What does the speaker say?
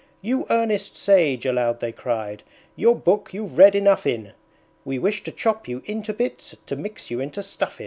"You earnest Sage!" aloud they cried, "your book you've read enough in! We wish to chop you into bits to mix you into Stuffin'!"